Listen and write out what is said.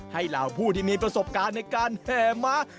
เหล่าผู้ที่มีประสบการณ์ในการแห่ม้า